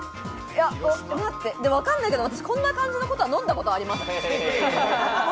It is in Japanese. わかんないけれども、こんな感じの子とは飲んだことありますね。